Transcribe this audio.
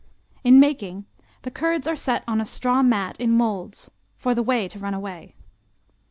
In making, the curds are set on a straw mat in molds, for the whey to run away.